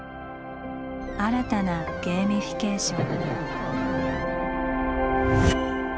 新たなゲーミフィケーション。